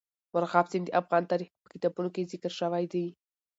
مورغاب سیند د افغان تاریخ په کتابونو کې ذکر شوی دي.